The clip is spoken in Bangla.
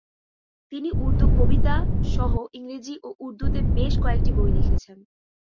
তিনি উর্দু কবিতা সহ ইংরেজি এবং উর্দুতে বেশ কয়েকটি বই লিখেছেন।